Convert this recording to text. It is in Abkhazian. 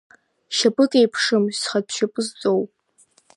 Шьапык еиԥшым зхатә шьапы зҵоу!